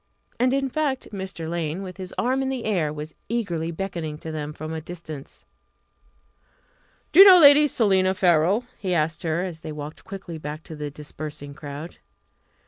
And, in fact, Mr. Lane, with his arm in the air, was eagerly beckoning to them from the distance. "Do you know Lady Selina Farrell?" he asked her, as they walked quickly back to the dispersing crowd.